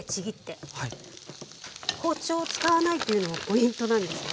包丁を使わないというのもポイントなんですよ。